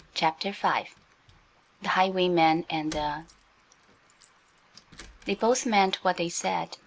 CHAPTER V THE HIGHWAYMAN AND THE — THEY both meant what they said.